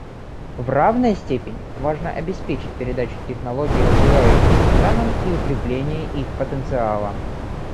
В равной степени важно обеспечить передачу технологий развивающимся странам и укрепление их потенциала.